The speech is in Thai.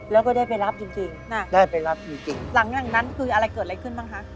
แล้วก็ได้ไปรับจริงจริงน่ะได้ไปรับจริงจริงหลังจากนั้นคืออะไรเกิดอะไรขึ้นบ้างคะ